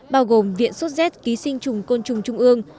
bao gồm viện sốt z ký sinh trùng côn trùng trung ương